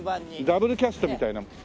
ダブルキャストみたいな。